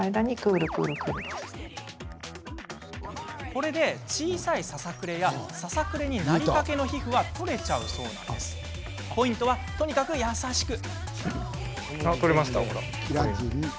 これで小さいささくれやささくれになりかけの皮膚は取れちゃうそうでポイントはとにかく優しく。